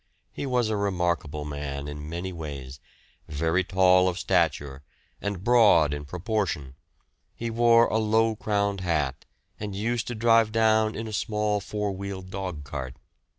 He was a remarkable man in many ways, very tall of stature, and broad in proportion, he wore a low crowned hat and used to drive down in a small four wheeled dogcart.